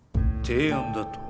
提案だと？